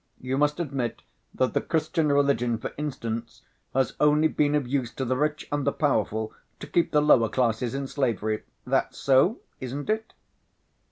You must admit that the Christian religion, for instance, has only been of use to the rich and the powerful to keep the lower classes in slavery. That's so, isn't it?"